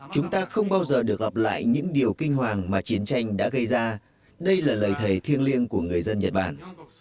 chúng ta không bao giờ được gặp lại những điều kinh hoàng mà chiến tranh đã gây ra đây là lời thề thiêng liêng của người dân nhật bản